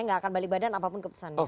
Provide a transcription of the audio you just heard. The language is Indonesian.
nggak akan balik badan apapun keputusannya